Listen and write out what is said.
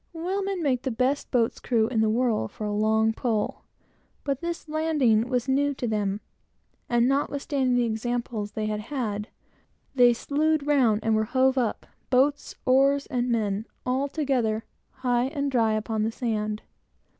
Whalemen make the best boats' crews in the world for a long pull, but this landing was new to them, and notwithstanding the examples they had had, they slued round and were hove up boat, oars, and men altogether, high and dry upon the sand.